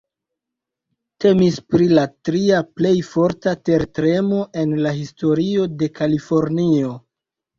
Temis pri la tria plej forta tertremo en la historio de Kalifornio.